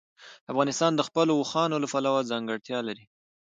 افغانستان د خپلو اوښانو له پلوه ځانګړتیا لري.